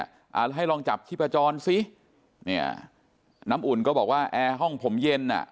อ่าให้ลองจับชีพจรซิเนี่ยน้ำอุ่นก็บอกว่าแอร์ห้องผมเย็นอ่ะ